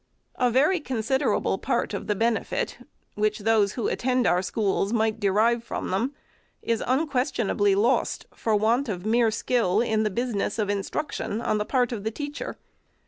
A very considerable part of the benefit, which those who attend our schools might derive from them, is un questionably lost for want of mere skill in the business of instruction, on the part of the teacher.